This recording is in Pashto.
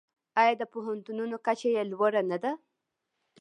آیا د پوهنتونونو کچه یې لوړه نه ده؟